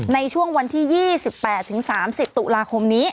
ในช่วงวันที่๒๘๓๐ตุลาคมนี้